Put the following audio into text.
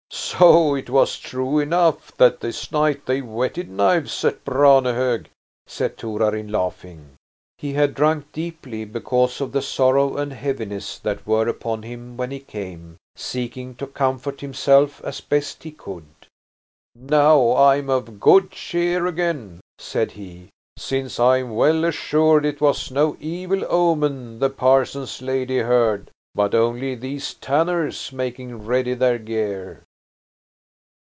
"So it was true enough that this night they whetted knives at Branehog," said Torarin, laughing. He had drunk deeply, because of the sorrow and heaviness that were upon him when he came, seeking to comfort himself as best he could. "Now I am of good cheer again," said he, "since I am well assured it was no evil omen the parson's lady heard, but only these tanners making ready their gear."